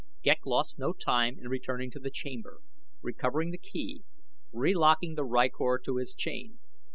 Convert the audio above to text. Ghek lost no time in returning to the chamber, recovering the key, relocking the rykor to his chain.